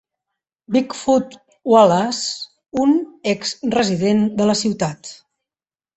"Bigfoot" Wallace, un exresident de la ciutat.